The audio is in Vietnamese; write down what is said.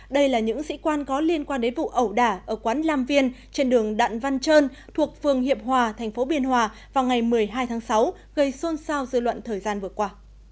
đây là những sĩ quan có liên quan đến vụ ẩu đả ở quán lam viên trên đường đạn văn trơn thuộc phường hiệp hòa thành phố biên hòa vào ngày một mươi hai tháng sáu gây xôn xao dư luận thời gian vừa qua